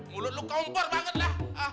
mulut lu kompor banget lah